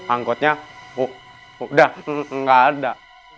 anggotnya udah nggak ada